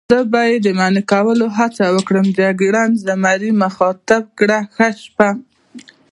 زه به یې د منع کولو هڅه وکړم، جګړن زمري مخاطب کړ: ښه شپه.